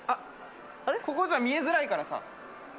ここじゃ見えづらいからさ